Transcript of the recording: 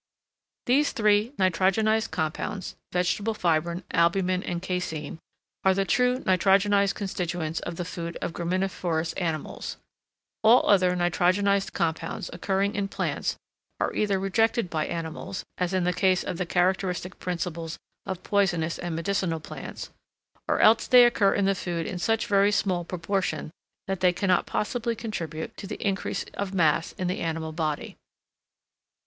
These three nitrogenised compounds, vegetable fibrine, albumen, and caseine, are the true nitrogenised constituents of the food of graminivorous animals; all other nitrogenised compounds occurring in plants, are either rejected by animals, as in the case of the characteristic principles of poisonous and medicinal plants, or else they occur in the food in such very small proportion, that they cannot possibly contribute to the increase of mass in the animal body.